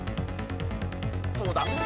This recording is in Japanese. どうだ？